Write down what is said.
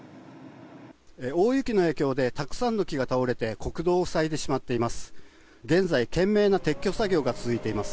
大雪の影響でたくさんの木が倒れて国道を塞いでしまっています。